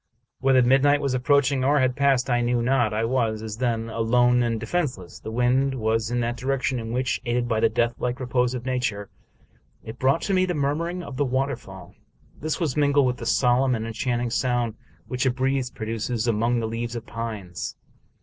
Whether midnight was approaching, or had passed, I knew not. I was, as then, alone and de fenseless. The wind v/as in that direction in which, aided by the deathlike repose of nature, it brought to me the mur mur of the waterfall. This was mingled with that solemn and enchanting sound which a breeze produces among the leaves of pines.